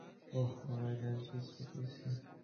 ওহ, আমার জন্য চিজ রেখে গেছে!